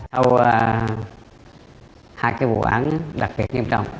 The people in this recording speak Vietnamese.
hai cái vụ án đặc biệt nghiêm trọng